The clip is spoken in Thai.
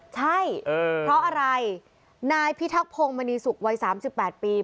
ใช่เพราะอะไรนายพิทักพงศ์มณีสุขวัย๓๘ปี